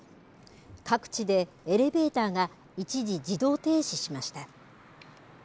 各地でエレベーターが一時自動停止しました。